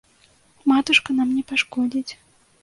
Матушка нам не пашкодзіць.